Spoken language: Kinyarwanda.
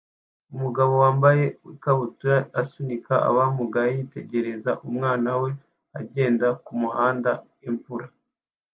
Umugabo wambaye ikabutura asunika abamugaye yitegereza umwana we agenda mumihanda imvura